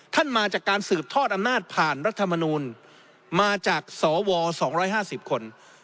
มาจากการสืบทอดอำนาจผ่านรัฐมนูลมาจากสว๒๕๐คน